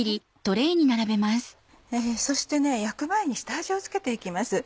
そして焼く前に下味を付けて行きます。